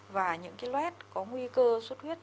và những cái lết có nguy cơ suất huyết